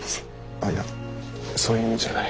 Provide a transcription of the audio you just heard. あっいやそういう意味じゃない。